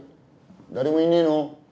誰もいねえの？